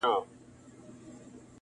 • دا هوښیار چي دی له نورو حیوانانو..